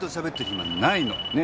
暇ないの！ね！